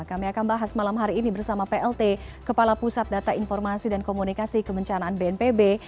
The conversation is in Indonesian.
kami akan bahas malam hari ini bersama plt kepala pusat data informasi dan komunikasi kebencanaan bnpb